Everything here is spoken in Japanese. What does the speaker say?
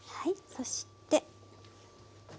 そして。